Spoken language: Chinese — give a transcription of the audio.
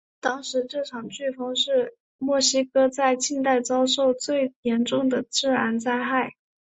当时这场飓风是墨西哥在近代遭受的最严重的自然灾害。